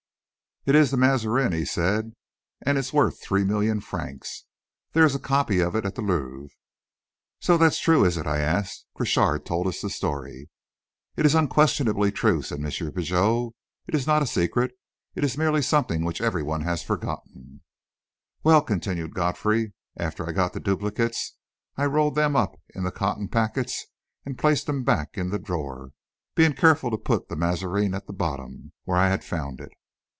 "It is the Mazarin," he said, "and is worth three million francs. There is a copy of it at the Louvre." "So that's true, is it?" I asked. "Crochard told us the story." "It is unquestionably true," said M. Pigot. "It is not a secret it is merely something which every one has forgotten." "Well," continued Godfrey, "after I got the duplicates, I rolled them up in the cotton packets, and placed them back in the drawer, being careful to put the Mazarin at the bottom, where I had found it."